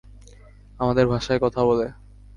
আমাদের ভাষায় কথা বলে।